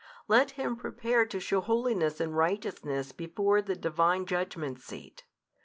Let him prepare to shew holiness and righteousness before the Divine Judgment Seat.